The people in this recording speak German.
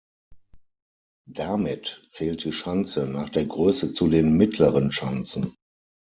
Damit zählt die Schanze nach der Größe zu den "mittleren Schanzen".